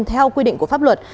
theo quy định của pháp luật